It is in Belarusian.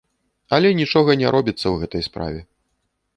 Але нічога не робіцца ў гэтай справе.